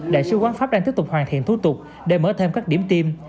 đại sứ quán pháp đang tiếp tục hoàn thiện thủ tục để mở thêm các điểm tiêm